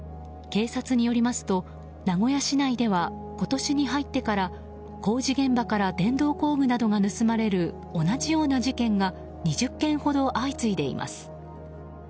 警察によりますと名古屋市内では今年に入ってから工事現場から電動工具などが盗まれる同じような事件が２０件ほど相次いでいます。